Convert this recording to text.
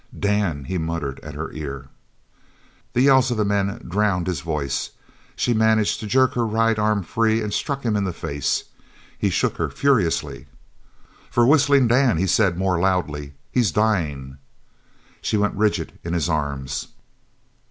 "Dan!" he muttered at her ear. The yells of the men drowned his voice. She managed to jerk her right arm free and struck him in the face. He shook her furiously. "For Whistling Dan!" he said more loudly. "He's dying!" She went rigid in his arms.